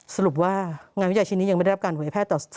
สรุปว่างานวิจัยชิ้นนี้ยังไม่ได้รับการเผยแพร่ต่อ